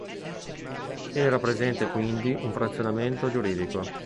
Era presente quindi un frazionamento giuridico.